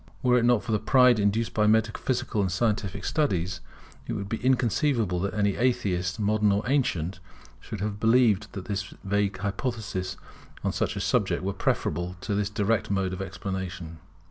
Were it not for the pride induced by metaphysical and scientific studies, it would be inconceivable that any atheist, modern or ancient, should have believed that his vague hypotheses on such a subject were preferable to this direct mode of explanation.